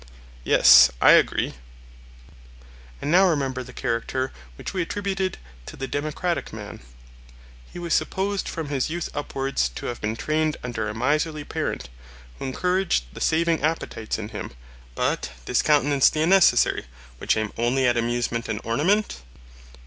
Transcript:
Yes, I agree. And now remember the character which we attributed to the democratic man. He was supposed from his youth upwards to have been trained under a miserly parent, who encouraged the saving appetites in him, but discountenanced the unnecessary, which aim only at amusement and ornament?